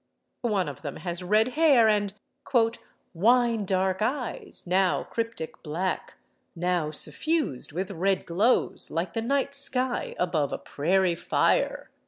One of them has red hair and "wine dark eyes, now cryptic black, now suffused with red glows like the night sky above a prairie fire."